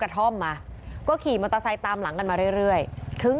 กระท่อมมาก็ขี่มอเตอร์ไซค์ตามหลังกันมาเรื่อยถึง